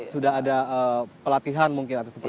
sudah ada pelatihan mungkin atau seperti itu